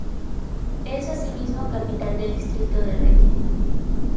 Es asimismo capital del distrito de Reque.